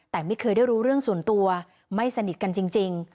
แต่ไม่เคยได้รู้เรื่องส่วนตัวไม่สนิทกันจริง